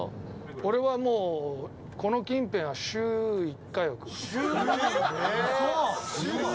俺は、もうこの近辺は週１回は。